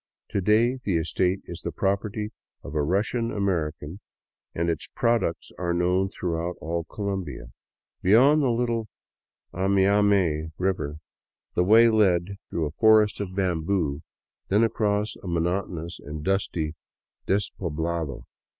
To day the estate is the property of Russian Ameri cans, and its products are known throughout all Colombia. Beyond the little Amaime river the way led through a forest of bamboo, then 8i VAGABONDING DOWN THE ANDES across a monotonous and dusty despoblado.